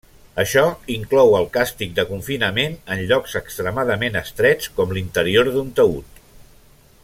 Això inclou el càstig de confinament en llocs extremadament estrets, com l'interior d'un taüt.